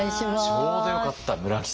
ちょうどよかった村木さん。